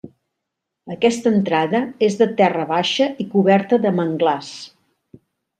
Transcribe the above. Aquesta entrada és de terra baixa i coberta de manglars.